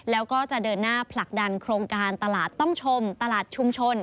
แล้วก็จะเดินหน้าผลักดันโครงการตลาดต้องชมตลาดชุมชน